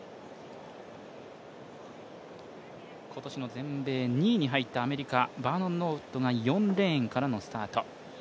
今年の全米２位に入ったアメリカバーノン・ノーウッドが４レーンからのスタート。